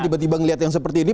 tiba tiba melihat yang seperti ini